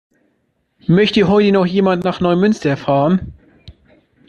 Möchte heute noch jemand nach Neumünster fahren?